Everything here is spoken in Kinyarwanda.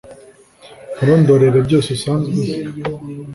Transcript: nkurondorere byose usanzwe uzi